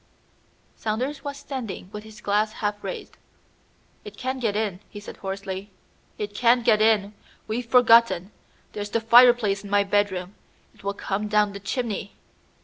Saunders was standing with his glass half raised. "It can get in," he said hoarsely; "it can get in! We've forgotten. There's the fireplace in my bedroom. It will come down the chimney."